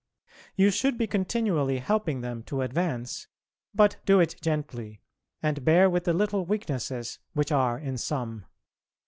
You should be continually helping them to advance, but do it gently, and bear with the little weaknesses which are in some.